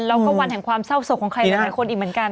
แล้วก็วันแห่งความเศร้าศกของใครหลายคนอีกเหมือนกัน